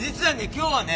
今日はね